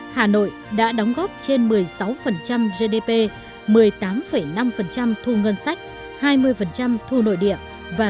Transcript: hà nội đã đóng góp trên một mươi sáu gdp một mươi tám năm thu ngân sách hai mươi thu nội địa và sáu mươi